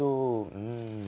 うん。